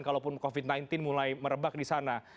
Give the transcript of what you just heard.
kalaupun covid sembilan belas mulai merebak di sana